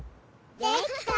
できた！